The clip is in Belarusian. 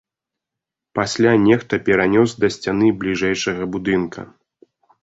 Пасля нехта перанёс да сцяны бліжэйшага будынка.